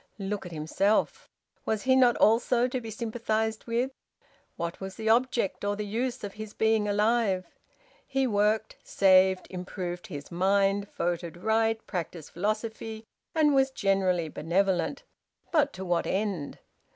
Look at himself! Was he not also to be sympathised with? What was the object or the use of his being alive? He worked, saved, improved his mind, voted right, practised philosophy, and was generally benevolent; but to what end?